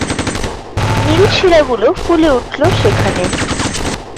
নীল শিরাগুলো ফুলে উঠল সেখানে।